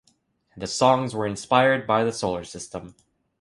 The songs were inspired by the solar system.